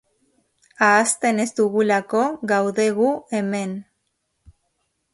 Ahazten ez dugulako gaude gu hemen.